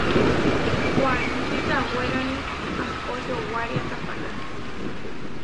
Waní kikawérani ahpó yowária tapaná.